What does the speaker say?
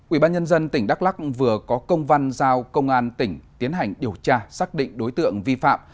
ủy ban nhân dân tỉnh đắk lắc vừa có công văn giao công an tỉnh tiến hành điều tra xác định đối tượng vi phạm